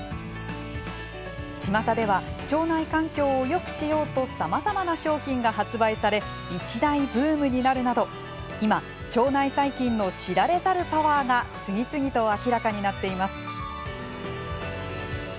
ちまたでは腸内環境をよくしようとさまざまな商品が発売され一大ブームになるなど今、腸内細菌の知られざるパワーが次々と明らかになっています。